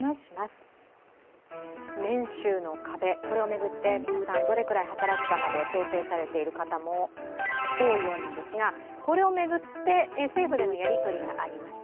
年収の壁、これを巡って、皆さんどれくらい働くかなど調整されている方も多いようなんですが、これを巡って政府でのやり取りがありました。